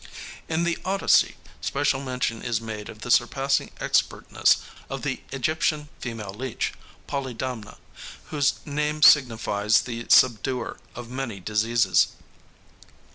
In the Odyssey special mention is made of the surpassing expertness of the Egyptian female leech, Polydamna, whose name signifies the subduer of many diseases.